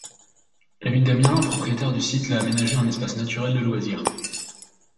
La ville d'Amiens propriétaire du site l'a aménagé en espace naturel de loisirs.